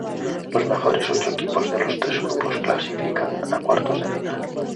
Los mejores ocho equipos de los tres grupos clasifican a cuartos de final.